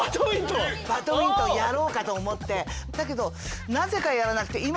バドミントンやろうかと思って。